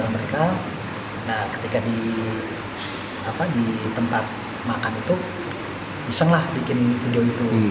mereka ketika di tempat makan itu iseng lah bikin video itu